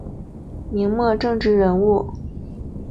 明末政治人物。